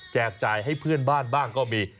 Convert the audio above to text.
จ่ายให้เพื่อนบ้านบ้างก็มี